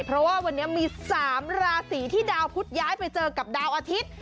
เพราะว่าวันนี้มี๓ราศีที่ดาวพุทธย้ายไปเจอกับดาวอาทิตย์